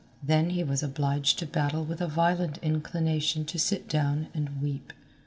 Then he was obliged to battle with a violent inclination to sit down and weep.